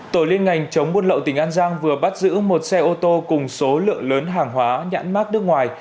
tổ liên ngành chống buôn lậu tỉnh an giang vừa bắt giữ một xe ô tô cùng số lượng lớn hàng hóa nhãn mát nước ngoài